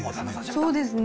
そうですね。